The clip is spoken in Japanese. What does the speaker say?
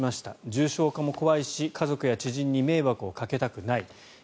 重症化も怖いし家族や知人に迷惑をかけたくない。